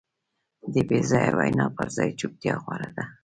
د بېځایه وینا پر ځای چوپتیا غوره ده.